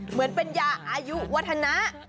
เหมือนเป็นยาอายุวัฒนะ